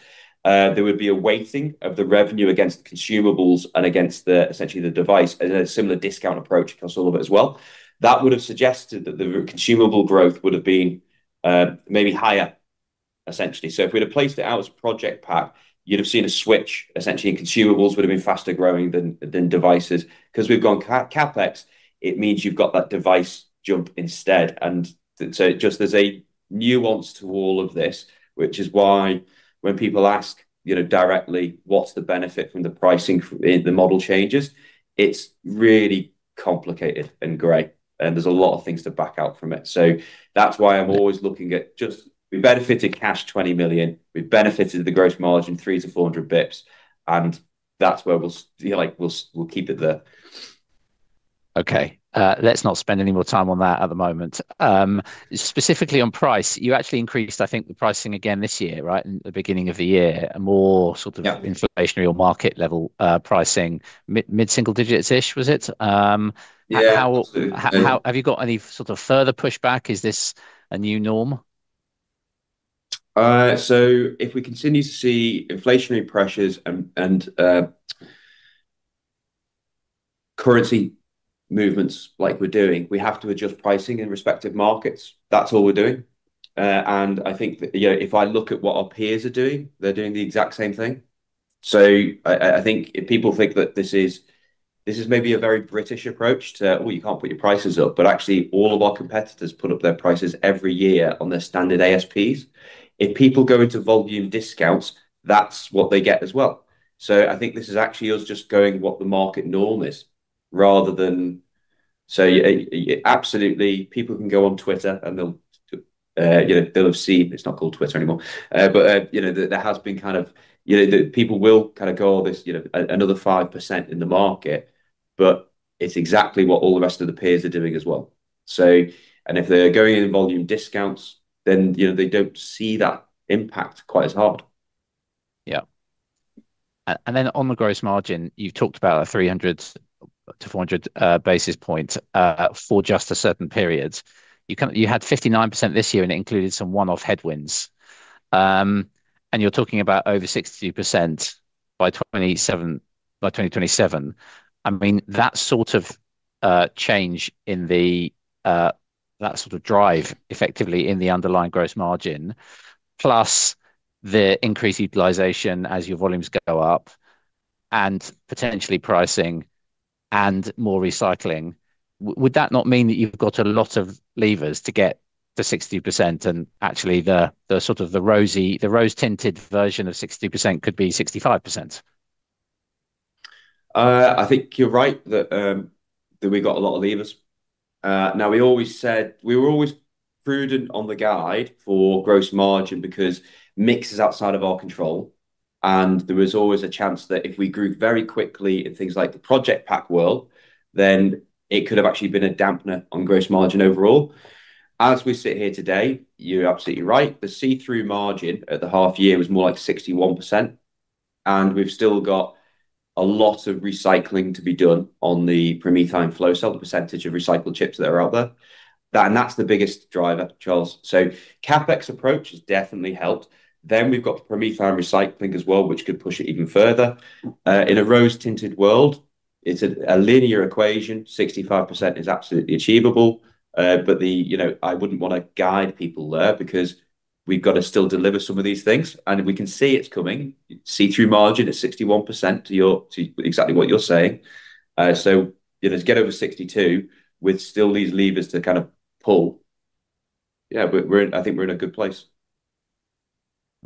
there would be a weighting of the revenue against the consumables and against essentially the device and a similar discount approach across all of it as well. That would have suggested that the consumable growth would have been maybe higher, essentially. So if we had placed it out as project pack, you'd have seen a switch, essentially, and consumables would have been faster growing than devices. Because we've gone CapEx, it means you've got that device jump instead. There's a nuance to all of this, which is why when people ask directly, what's the benefit from the pricing, the model changes, it's really complicated and gray. There's a lot of things to back out from it. That's why I'm always looking at just we benefited cash 20 million. We've benefited the gross margin 300-400 basis points. That's where we'll keep it there. Okay. Let's not spend any more time on that at the moment. Specifically on price, you actually increased, I think, the pricing again this year, right, in the beginning of the year, more sort of inflationary or market-level pricing, mid-single digits-ish, was it? Yeah, absolutely. Have you got any sort of further pushback? Is this a new norm? So if we continue to see inflationary pressures and currency movements like we're doing, we have to adjust pricing in respective markets. That's all we're doing. And I think if I look at what our peers are doing, they're doing the exact same thing. So I think if people think that this is maybe a very British approach to, well, you can't put your prices up, but actually all of our competitors put up their prices every year on their standard ASPs. If people go into volume discounts, that's what they get as well. So I think this is actually us just going what the market norm is rather than. So absolutely, people can go on Twitter and they'll have seen it's not called Twitter anymore. But there has been kind of, people will kind of go, "oh, there's another 5% in the market," but it's exactly what all the rest of the peers are doing as well. And if they're going in volume discounts, then they don't see that impact quite as hard. Yeah. And then on the gross margin, you've talked about a 300-400 basis points for just a certain period. You had 59% this year, and it included some one-off headwinds. And you're talking about over 60% by 2027. I mean, that sort of change in that sort of drive effectively in the underlying gross margin, plus the increased utilization as your volumes go up and potentially pricing and more recycling, would that not mean that you've got a lot of levers to get the 60% and actually the sort of the rose-tinted version of 60% could be 65%? I think you're right that we got a lot of levers. Now, we always said we were always prudent on the guide for gross margin because mix is outside of our control. And there was always a chance that if we grew very quickly in things like the project pack world, then it could have actually been a dampener on gross margin overall. As we sit here today, you're absolutely right. The see-through margin at the half year was more like 61%. And we've still got a lot of recycling to be done on the PromethION flow cell, the percentage of recycled chips that are out there. And that's the biggest driver, Charles. So CapEx approach has definitely helped. Then we've got PromethION recycling as well, which could push it even further. In a rose-tinted world, it's a linear equation. 65% is absolutely achievable. But I wouldn't want to guide people there because we've got to still deliver some of these things. And we can see it's coming. See-through margin is 61% to exactly what you're saying. So let's get over 62 with still these levers to kind of pull. Yeah, I think we're in a good place.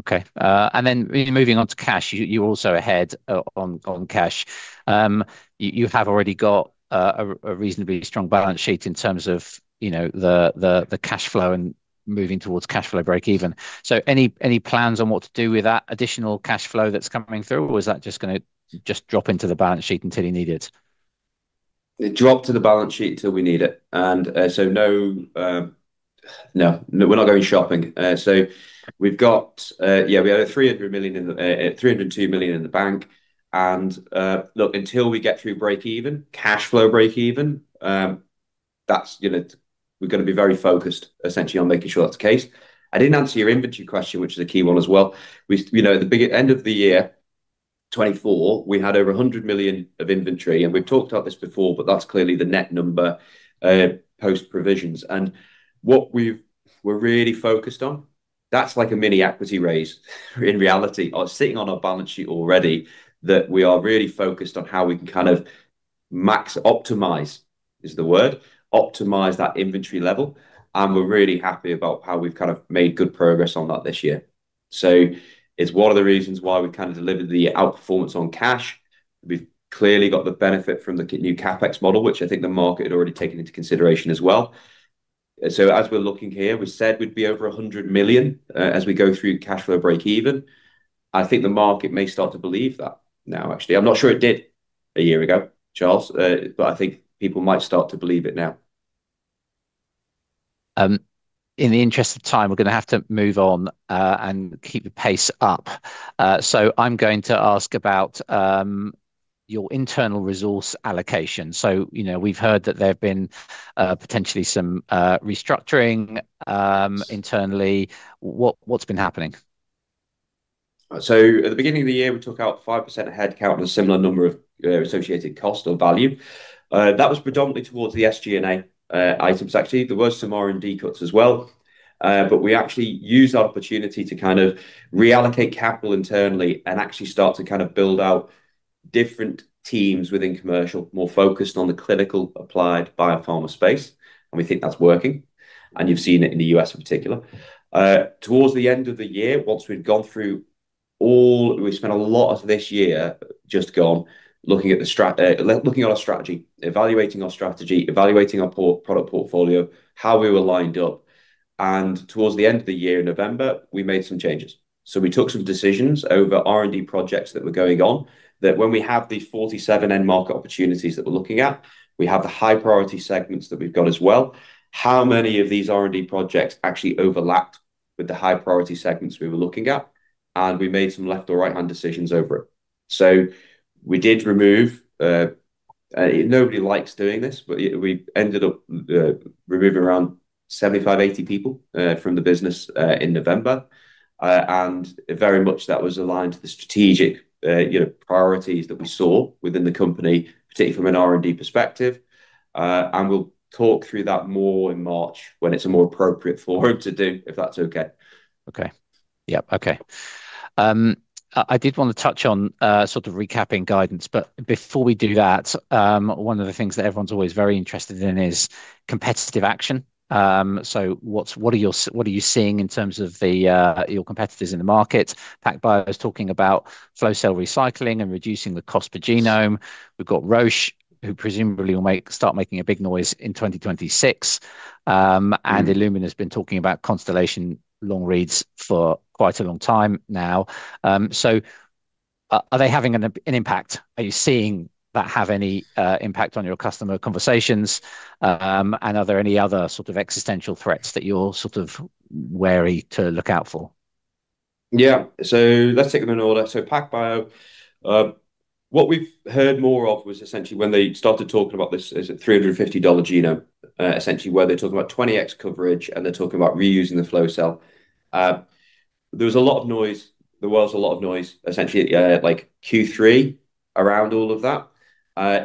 Okay. And then moving on to cash, you're also ahead on cash. You have already got a reasonably strong balance sheet in terms of the cash flow and moving towards cash flow break even. So any plans on what to do with that additional cash flow that's coming through, or is that just going to drop into the balance sheet until you need it? It dropped to the balance sheet until we need it. No, no, we're not going shopping. We've got, yeah, we had 302 million in the bank. Look, until we get through breakeven, cash flow breakeven, we're going to be very focused essentially on making sure that's the case. I didn't answer your inventory question, which is a key one as well. At the end of 2024, we had over 100 million of inventory. We've talked about this before, but that's clearly the net number post-provisions. What we're really focused on, that's like a mini equity raise in reality. It was sitting on our balance sheet already that we are really focused on how we can kind of max optimize, is the word, optimize that inventory level. And we're really happy about how we've kind of made good progress on that this year. So it's one of the reasons why we've kind of delivered the outperformance on cash. We've clearly got the benefit from the new CapEx model, which I think the market had already taken into consideration as well. So as we're looking here, we said we'd be over 100 million as we go through cash flow break even. I think the market may start to believe that now, actually. I'm not sure it did a year ago, Charles, but I think people might start to believe it now. In the interest of time, we're going to have to move on and keep the pace up. So I'm going to ask about your internal resource allocation. So we've heard that there have been potentially some restructuring internally. What's been happening? So at the beginning of the year, we took out 5% headcount and a similar number of associated cost or value. That was predominantly towards the SG&A items, actually. There were some R&D cuts as well. But we actually used that opportunity to kind of reallocate capital internally and actually start to kind of build out different teams within commercial, more focused on the clinical applied biopharma space. And we think that's working. And you've seen it in the U.S. in particular. Towards the end of the year, once we'd gone through all, we spent a lot of this year just gone looking at our strategy, evaluating our strategy, evaluating our product portfolio, how we were lined up. And towards the end of the year, November, we made some changes. So we took some decisions over R&D projects that were going on that when we have these 47 end market opportunities that we're looking at, we have the high priority segments that we've got as well. How many of these R&D projects actually overlapped with the high priority segments we were looking at? And we made some left or right-hand decisions over it. So we did remove, nobody likes doing this, but we ended up removing around 75-80 people from the business in November. And very much that was aligned to the strategic priorities that we saw within the company, particularly from an R&D perspective. And we'll talk through that more in March when it's a more appropriate forum to do, if that's okay. Okay. Yep. Okay. I did want to touch on sort of recapping guidance. But before we do that, one of the things that everyone's always very interested in is competitive action. So what are you seeing in terms of your competitors in the market? PacBio is talking about flow cell recycling and reducing the cost per genome. We've got Roche, who presumably will start making a big noise in 2026. And Illumina has been talking about Constellation Long Reads for quite a long time now. So are they having an impact? Are you seeing that have any impact on your customer conversations? And are there any other sort of existential threats that you're sort of wary to look out for? Yeah. So let's take them in order. So PacBio, what we've heard more of was essentially when they started talking about this is a $350 genome, essentially where they're talking about 20x coverage, and they're talking about reusing the flow cell. There was a lot of noise. There was a lot of noise, essentially, like Q3 around all of that.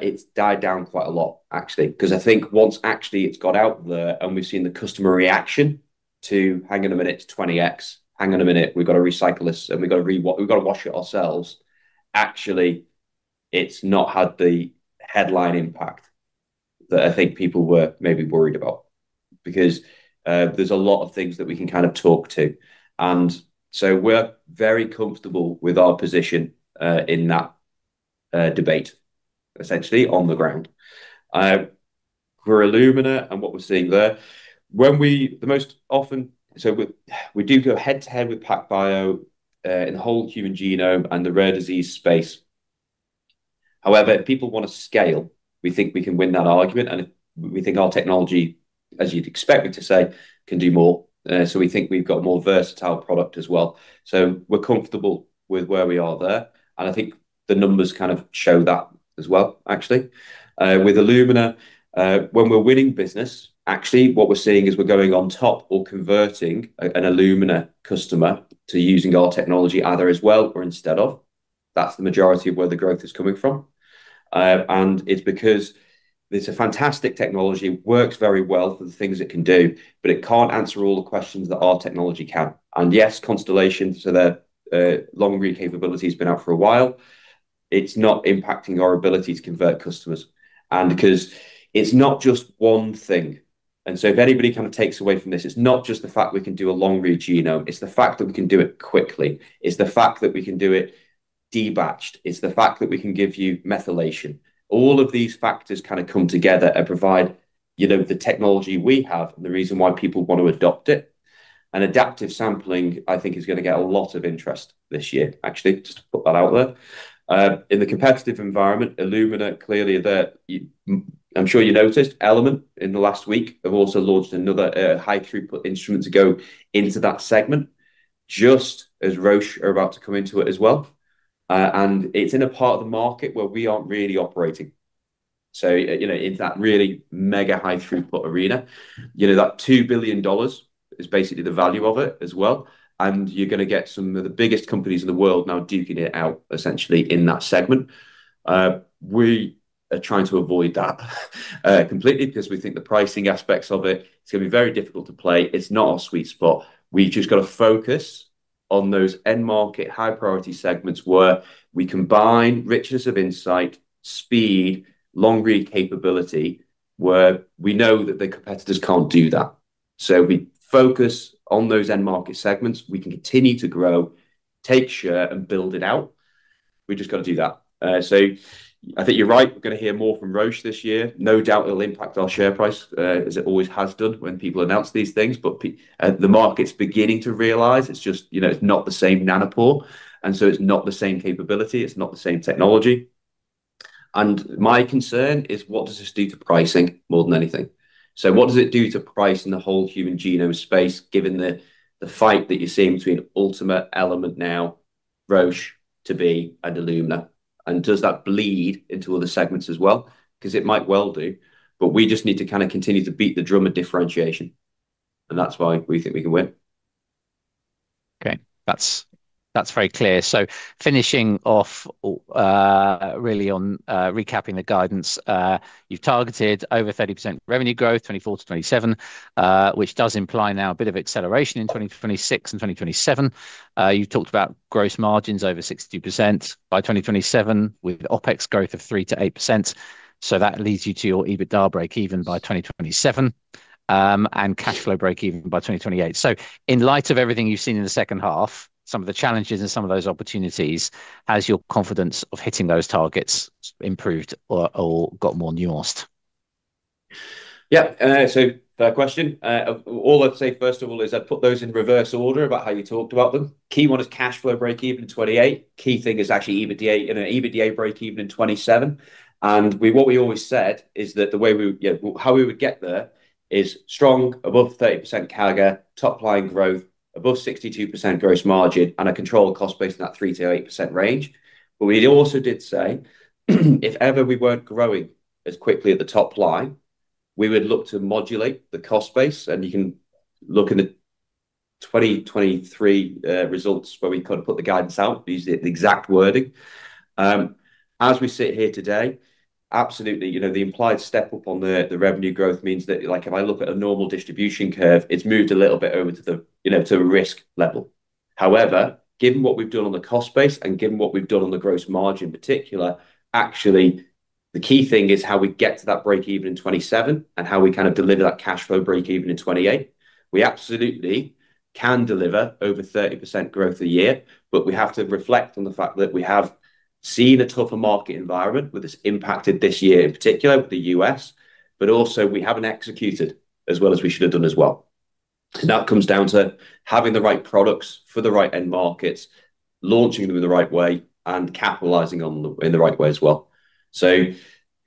It's died down quite a lot, actually, because I think once actually it's got out there and we've seen the customer reaction to, hang on a minute, 20x, hang on a minute, we've got to recycle this, and we've got to wash it ourselves, actually, it's not had the headline impact that I think people were maybe worried about. Because there's a lot of things that we can kind of talk to. And so we're very comfortable with our position in that debate, essentially on the ground. For Illumina and what we're seeing there, the most often, so we do go head to head with PacBio in the whole human genome and the rare disease space. However, if people want to scale, we think we can win that argument. And we think our technology, as you'd expect me to say, can do more. So we think we've got a more versatile product as well. So we're comfortable with where we are there. And I think the numbers kind of show that as well, actually. With Illumina, when we're winning business, actually, what we're seeing is we're going on top or converting an Illumina customer to using our technology either as well or instead of. That's the majority of where the growth is coming from. It's because it's a fantastic technology that works very well for the things it can do, but it can't answer all the questions that our technology can. Yes, Constellation. That long read capability has been out for a while. It's not impacting our ability to convert customers. It's not just one thing. If anybody kind of takes away from this, it's not just the fact we can do a long read genome. It's the fact that we can do it quickly. It's the fact that we can do it debatched. It's the fact that we can give you methylation. All of these factors kind of come together and provide the technology we have and the reason why people want to adopt it. Adaptive sampling, I think, is going to get a lot of interest this year, actually, just to put that out there. In the competitive environment, Illumina, clearly, I'm sure you noticed, Element in the last week have also launched another high-throughput instrument to go into that segment, just as Roche are about to come into it as well. And it's in a part of the market where we aren't really operating. So in that really mega high-throughput arena, that $2 billion is basically the value of it as well. And you're going to get some of the biggest companies in the world now duking it out, essentially, in that segment. We are trying to avoid that completely because we think the pricing aspects of it, it's going to be very difficult to play. It's not our sweet spot. We've just got to focus on those end market high-priority segments where we combine richness of insight, speed, long read capability, where we know that the competitors can't do that. So we focus on those end market segments. We can continue to grow, take share, and build it out. We've just got to do that. So I think you're right. We're going to hear more from Roche this year. No doubt it'll impact our share price, as it always has done when people announce these things. But the market's beginning to realize it's just not the same Nanopore. And so it's not the same capability. It's not the same technology. And my concern is, what does this do to pricing more than anything? So what does it do to price in the whole human genome space, given the fight that you're seeing between Ultimate, Element now, Roche, PacBio, and Illumina? And does that bleed into other segments as well? Because it might well do, but we just need to kind of continue to beat the drum of differentiation. And that's why we think we can win. Okay. That's very clear. So finishing off really on recapping the guidance, you've targeted over 30% revenue growth 2024-2027, which does imply now a bit of acceleration in 2026 and 2027. You've talked about gross margins over 62% by 2027 with OpEx growth of 3%-8%. So that leads you to your EBITDA break even by 2027 and cash flow break even by 2028. So in light of everything you've seen in the second half, some of the challenges and some of those opportunities, has your confidence of hitting those targets improved or got more nuanced? Yeah. So that question, all I'd say, first of all, is I'd put those in reverse order about how you talked about them. Key one is cash flow break even in 2028. Key thing is actually EBITDA break even in 2027. And what we always said is that the way we how we would get there is strong, above 30% CAGR, top-line growth, above 62% gross margin, and a controlled cost base in that 3%-8% range. But we also did say, if ever we weren't growing as quickly at the top line, we would look to modulate the cost base. And you can look in the 2023 results where we kind of put the guidance out, use the exact wording. As we sit here today, absolutely, the implied step up on the revenue growth means that if I look at a normal distribution curve, it's moved a little bit over to the risk level. However, given what we've done on the cost base and given what we've done on the gross margin in particular, actually, the key thing is how we get to that break even in 2027 and how we kind of deliver that cash flow break even in 2028. We absolutely can deliver over 30% growth a year, but we have to reflect on the fact that we have seen a tougher market environment with this impacted this year in particular with the U.S., but also we haven't executed as well as we should have done as well. That comes down to having the right products for the right end markets, launching them in the right way, and capitalizing on them in the right way as well. So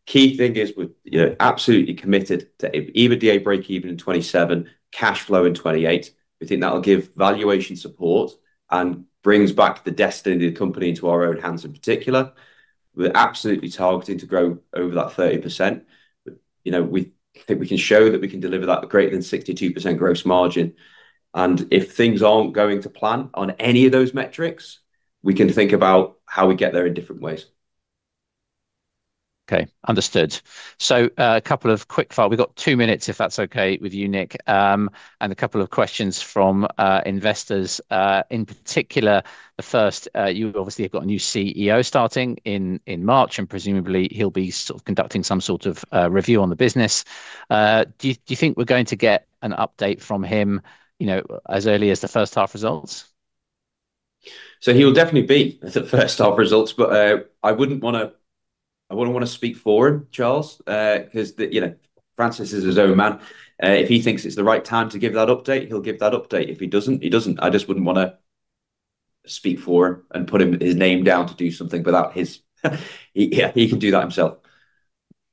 key thing is we're absolutely committed to EBITDA break even in 2027, cash flow in 2028. We think that'll give valuation support and brings back the destiny of the company into our own hands in particular. We're absolutely targeting to grow over that 30%. We think we can show that we can deliver that greater than 62% gross margin. And if things aren't going to plan on any of those metrics, we can think about how we get there in different ways. Okay. Understood. So a couple of quickfire. We've got two minutes, if that's okay with you, Nick, and a couple of questions from investors. In particular, the first, you obviously have got a new CEO starting in March, and presumably, he'll be sort of conducting some sort of review on the business. Do you think we're going to get an update from him as early as the first half results? He'll definitely be at the first half results, but I wouldn't want to speak for him, Charles, because Francis is his own man. If he thinks it's the right time to give that update, he'll give that update. If he doesn't, he doesn't. I just wouldn't want to speak for him and put his name down to do something without his yeah, he can do that himself.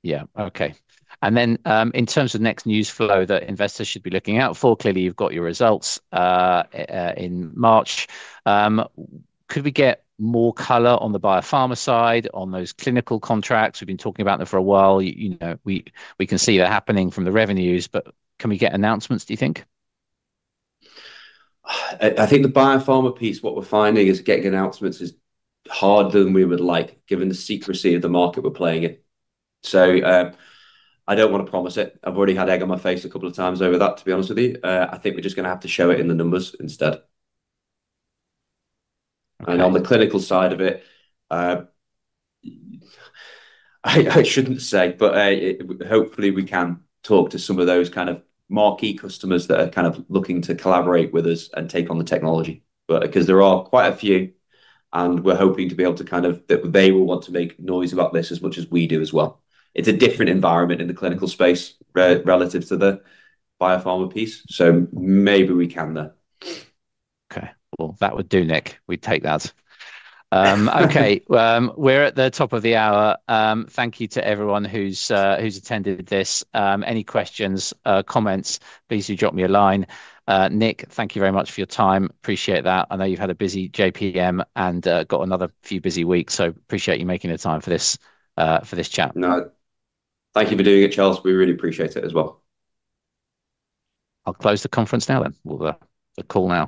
Yeah. Okay. And then in terms of next news flow that investors should be looking out for, clearly, you've got your results in March. Could we get more color on the biopharma side on those clinical contracts? We've been talking about them for a while. We can see they're happening from the revenues, but can we get announcements, do you think? I think the biopharma piece, what we're finding is getting announcements is harder than we would like, given the secrecy of the market we're playing in. So I don't want to promise it. I've already had egg on my face a couple of times over that, to be honest with you. I think we're just going to have to show it in the numbers instead, and on the clinical side of it, I shouldn't say, but hopefully, we can talk to some of those kind of marquee customers that are kind of looking to collaborate with us and take on the technology. Because there are quite a few, and we're hoping to be able to kind of that they will want to make noise about this as much as we do as well. It's a different environment in the clinical space relative to the biopharma piece. So maybe we can there. Okay. Well, that would do, Nick. We'd take that. Okay. We're at the top of the hour. Thank you to everyone who's attended this. Any questions, comments, please do drop me a line. Nick, thank you very much for your time. Appreciate that. I know you've had a busy JPM and got another few busy weeks, so appreciate you making the time for this chat. No. Thank you for doing it, Charles. We really appreciate it as well. I'll close the conference now then. We'll call now.